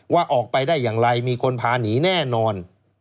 ว่าออกไปได้อย่างไรมีคนพาหนีแน่นอน